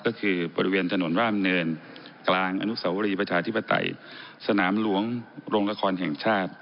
ก็คือบริเวณถนนร่ามเนินกลางอนุสาวรีประชาธิปไตยสนามหลวงโรงละครแห่งชาติ